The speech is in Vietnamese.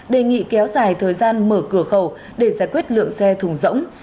đề nghị kéo dài thời gian mở cửa khẩu để giải quyết lượng xe thùng rỗng